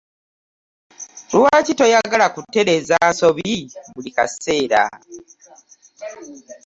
Lwaki toyagala kutereeza nsobi buli kaseera?